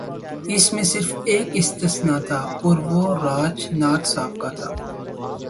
اس میں صرف ایک استثنا تھا اور وہ راج ناتھ صاحب کا تھا۔